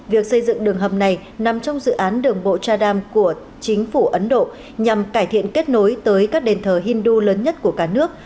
việc xây dựng đường hầm này nằm trong dự án đường bộ chà đam của chính phủ ấn độ nhằm cải thiện kết nối tới các đền thờ hindu lớn nhất của cả nước